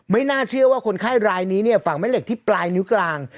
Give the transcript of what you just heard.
น่าเชื่อว่าคนไข้รายนี้เนี่ยฝั่งแม่เหล็กที่ปลายนิ้วกลาง